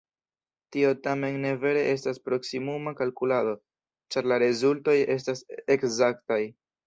Tio tamen ne vere estas proksimuma kalkulado, ĉar la rezultoj estas ekzaktaj.